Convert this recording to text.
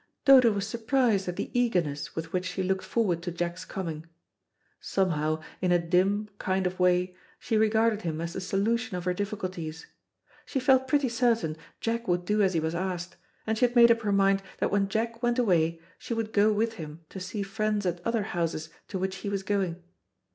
Dodo was surprised at the eagerness with which she looked forward to Jack's coming. Somehow, in a dim kind of way, she regarded him as the solution of her difficulties. She felt pretty certain Jack would do as he was asked, and she had made up her mind that when Jack went away she would go with him to see friends at other houses to which he was going.